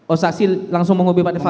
oh saksi langsung menghubungi pak irfan